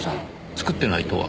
作ってないとは？